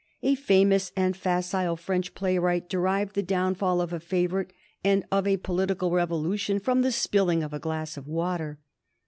A famous and facile French playwright derived the downfall of a favorite and of a political revolution from the spilling of a glass of water.